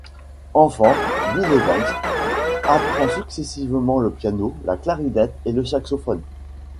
Enfant, Bill Evans apprend successivement le piano, la clarinette et le saxophone.